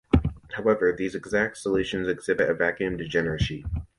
However, these exact solutions exhibit a 'vacuum degeneracy'.